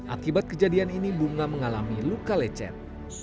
akibat kejadian ini bunga mengalami luka lecet